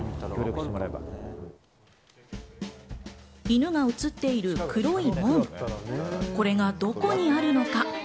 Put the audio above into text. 犬が写っている黒い門、これがどこにあるのか？